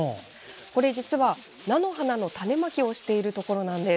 これ実は、菜の花の種まきをしているところなんです。